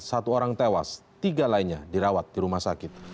satu orang tewas tiga lainnya dirawat di rumah sakit